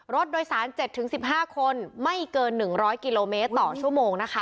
รถโดยสาร๗๑๕คนไม่เกิน๑๐๐กิโลเมตรต่อชั่วโมงนะคะ